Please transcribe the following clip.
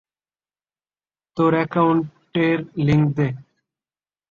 তোর অ্যাকাউন্টের লিংক দে।